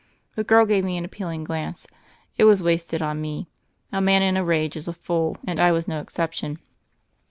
The girl gave me an appealing glance ; it was wasted on me. A man in a rage is a fool, and I was no exception.